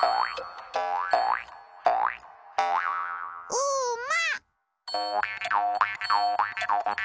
うま！